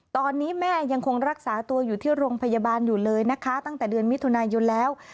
ตอนนี้แม่ยังคงรักษาตัวอยู่ที่โรงพยาบาลอยู่เลยนะคะตั้งแต่เดือนมิถุนายนแล้ว